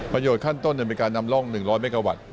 ประโยชน์ขั้นต้นก็เป็นการนำร่อง๑๐๐เมกะวัตต์